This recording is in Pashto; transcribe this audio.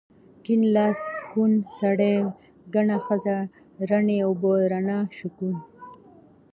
کيڼ لاس، کوڼ سړی، کڼه ښځه، رڼې اوبه، رڼا، شکوڼ